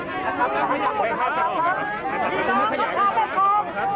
ซึ่งเถอะกว่ามันที่นี่